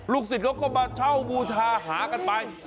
ศิษย์เขาก็มาเช่าบูชาหากันไป